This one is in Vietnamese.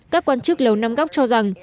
các quan chức lầu năm góc cho rằng